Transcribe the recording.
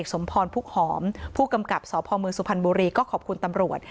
สมพรพุกหอมผู้กำกับสพมสุพรรณบุรีก็ขอบคุณตำรวจ